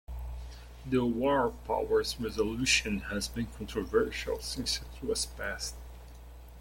The War Powers Resolution has been controversial since it was passed.